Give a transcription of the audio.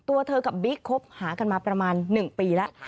ตัวเธอกับบิ๊กคบหากันมาประมาณ๑ปีแล้ว